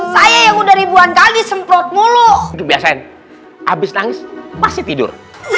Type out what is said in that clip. saya yang udah ribuan kali semprot mulu hai bikin biasanya habis nangis masih tidur